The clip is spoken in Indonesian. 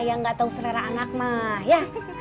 yang gak tau sererak anak mah